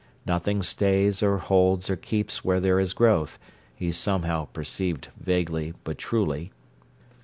Nothing stays or holds or keeps where there is growth, he somehow perceived vaguely but truly.